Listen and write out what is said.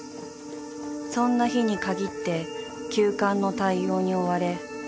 ［そんな日に限って急患の対応に追われ］